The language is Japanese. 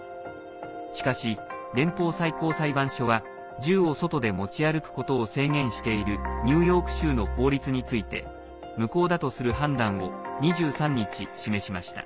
しかし、連邦最高裁判所は銃を外で持ち歩くことを制限しているニューヨーク州の法律について無効だとする判断を２３日示しました。